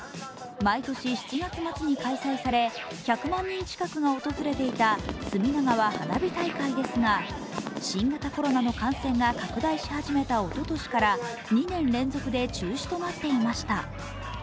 毎年７月末に開催され１００万人近くが訪れていた隅田川花火大会ですが新型コロナの感染が拡大し始めたおととしから２年連続で中止となっていました。